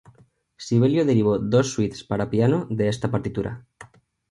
Sibelius derivó dos suites para piano de esta partitura.